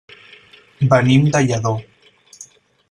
Venim de Lladó.